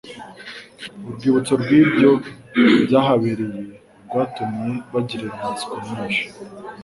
Urwibutso rw'ibyo byahabereye rwatumye bagirira amatsiko menshi